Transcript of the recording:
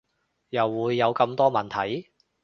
又會有咁多問題